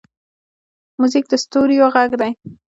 موزیک د ستوریو غږ دی.